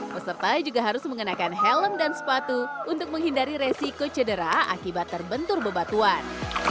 peserta juga harus mengenakan helm dan sepatu untuk menghindari resiko cedera akibat terbentur bebatuan